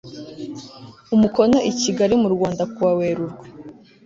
umukono i Kigali mu Rwanda kuwa Werurwe